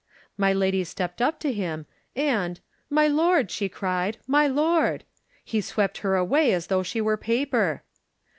"My lady stepped up to him, and, *My lord,' she cried, *my lord!' He swept her away as though she were paper.